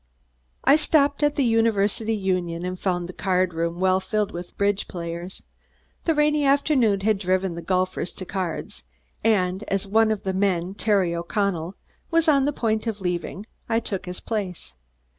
I stopped at the University Union and found the card room well filled with bridge players. The rainy afternoon had driven the golfers to cards, and as one of the men, Terry O'Connel, was on the point of leaving, I took his place.